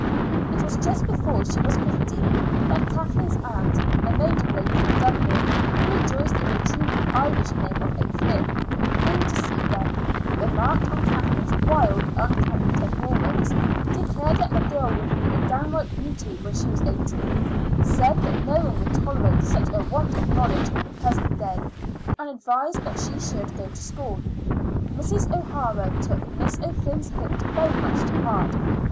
It was just before she was fifteen that Kathleen's aunt, a maiden lady from Dublin, who rejoiced in the truly Irish name of O'Flynn, came to see them, remarked on Kathleen's wild, unkempt appearance, declared that the girl would be a downright beauty when she was eighteen, said that no one would tolerate such a want of knowledge in the present day, and advised that she should go to school. Mrs. O'Hara took Miss O'Flynn's hint very much to heart.